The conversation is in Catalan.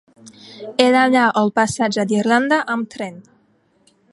He d'anar al passatge d'Irlanda amb tren.